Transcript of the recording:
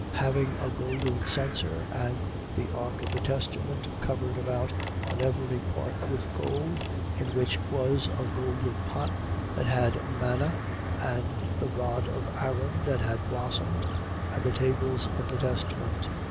Having a golden censer and the ark of the testament covered about on every part with gold, in which was a golden pot that had manna and the rod of Aaron that had blossomed and the tables of the testament.